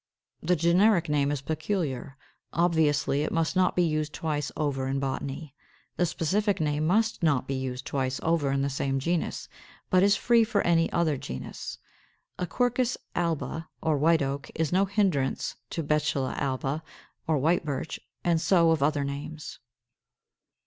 The generic name is peculiar: obviously it must not be used twice over in botany. The specific name must not be used twice over in the same genus, but is free for any other genus. A Quercus alba, or White Oak, is no hindrance to Betula alba, or White Birch; and so of other names.